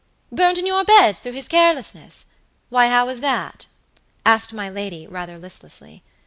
"Burnt in your beds through his carelessness! Why, how was that?" asked my lady, rather listlessly.